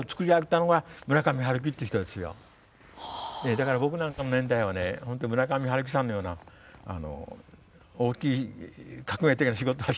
だから僕なんかの年代はね本当村上春樹さんのような大きい革命的な仕事はしてないんです。